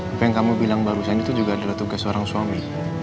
apa yang kamu bilang barusan itu juga adalah tugas seorang suami